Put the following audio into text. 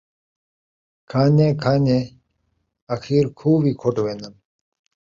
کھان٘دیں کھان٘دیں اخیر کھوہ وی کھُٹ وین٘دن